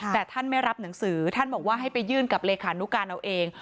แต่ท่านไม่รับหนังสือท่านบอกว่าให้ไปยื่นกับเลขานุการเอาเอง